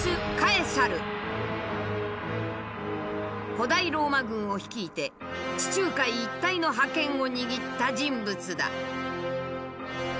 古代ローマ軍を率いて地中海一帯の覇権を握った人物だ。